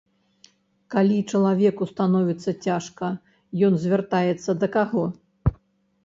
Калі чалавеку становіцца цяжка, ён звяртаецца да каго?